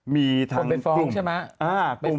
คุณเป็นฟ้องใช่ไหม